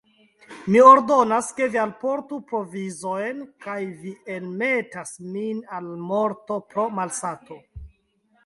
Mi ordonas, ke vi alportu provizojn, kaj vi elmetas min al morto pro malsato!